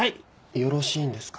よろしいんですか？